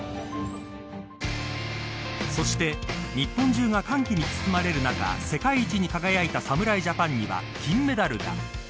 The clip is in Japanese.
そして日本中が歓喜に包まれる中世界一に輝いた侍ジャパンには金メダルが。